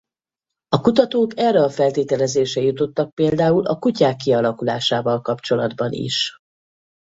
A kutatók erre a feltételezésre jutottak például a kutyák kialakulásával kapcsolatban is.